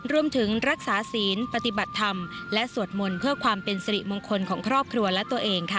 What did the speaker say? รวมถึงรักษาศีลปฏิบัติธรรมและสวดมนต์เพื่อความเป็นสิริมงคลของครอบครัวและตัวเองค่ะ